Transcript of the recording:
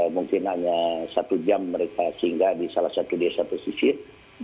mungkin hanya satu jam mereka singgah di salah satu desa pesisir